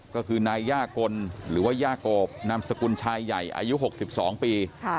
ก็คือนายย่ากลหรือว่าย่าโกบนามสกุลชายใหญ่อายุ๖๒ปี